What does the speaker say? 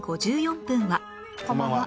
こんばんは。